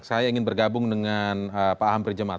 saya ingin bergabung dengan pak amri jemaat